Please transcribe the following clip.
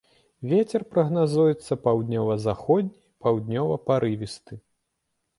Вецер прагназуецца паўднёва-заходні, паўднёвы парывісты.